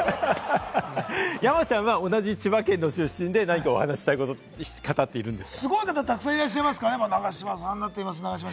山ちゃんは同じ千葉県の出身で何かお話したい方っていますか？